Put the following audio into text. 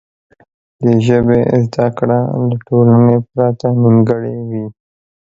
د ژبې زده کړه له ټولنې پرته نیمګړې وي.